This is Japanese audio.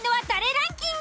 ランキング。